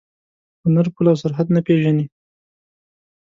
هنر پوله او سرحد نه پېژني.